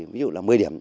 ví dụ là một mươi điểm